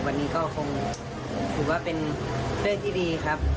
วันนี้ก็คงถือว่าเป็นเรื่องที่ดีครับ